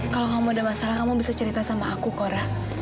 kalau kamu ada masalah kamu bisa ceritain sama aku kok rah